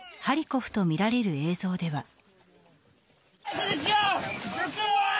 ハリコフと見られる映像では。